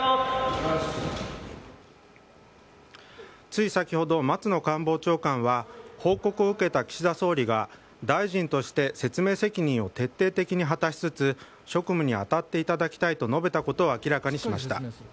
つい先ほど、松野官房長官は報告を受けた岸田総理が大臣として説明責任を徹底的に果たしつつ職務に当たっていただきたいと述べたことを明らかにしました。